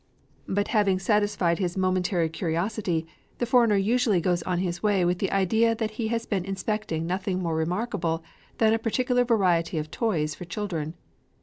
But having satisfied his momentary curiosity, the foreigner usually goes on his way with the idea that he has been inspecting nothing more remarkable than a particular variety of toys for children.